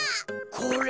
これ？